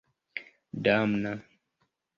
damna